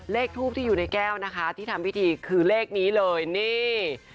ทูปที่อยู่ในแก้วนะคะที่ทำพิธีคือเลขนี้เลยนี่